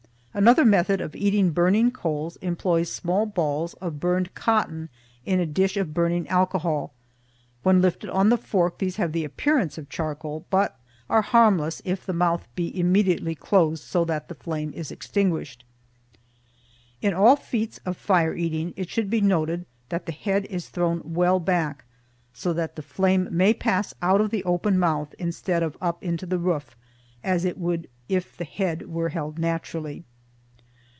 Another method of eating burning coals employs small balls of burned cotton in a dish of burning alcohol. When lifted on the fork these have the appearance of charcoal, but are harmless if the mouth be immediately closed, so that the flame is extinguished. In all feats of fire eating it should be noted that the head is thrown well back, so that the flame may pass out of the open mouth instead of up into the roof, as it would if the head were held naturally.